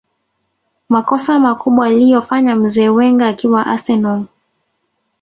makossa makubwa aliyofanya mzee Wenger akiwa arsenal